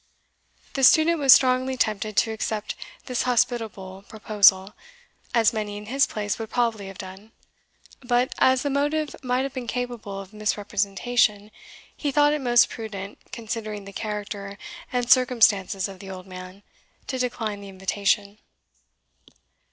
The student was strongly tempted to accept this hospitable proposal, as many in his place would probably have done; but, as the motive might have been capable of misrepresentation, he thought it most prudent, considering the character and circumstances of the old man, to decline the invitation.